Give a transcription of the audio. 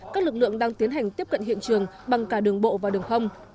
các lực lượng đang tiến hành tiếp cận hiện trường bằng cả đường bộ và đường không